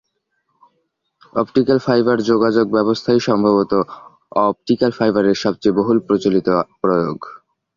Optical fibre যোগাযোগ ব্যবস্থাই সম্ভবত অপটিক্যাল ফাইবারের সবচেয়ে বহুল প্রচলিত প্রয়োগ।